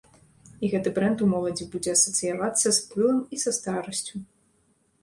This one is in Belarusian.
І гэты брэнд у моладзі будзе асацыявацца з пылам і са старасцю.